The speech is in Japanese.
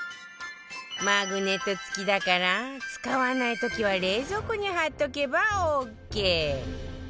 マグネット付きだから使わない時は冷蔵庫に貼っとけばオーケー